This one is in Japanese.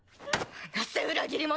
放せ裏切り者！